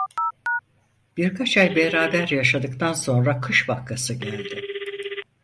Birkaç ay beraber yaşadıktan sonra kış vakası geldi.